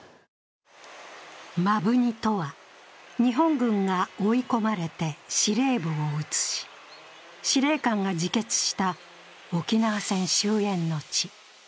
摩文仁とは、日本軍が追い込まれて司令部を移し、司令官が自決した沖縄戦終えんの地。